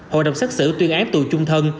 hội đồng xác xử tuyên án tù trung thân